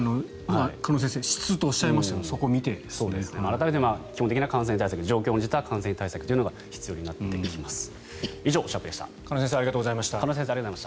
鹿野先生質とおっしゃいましたが改めて基本的な感染対策状況に応じた感染対策が必要になってきます。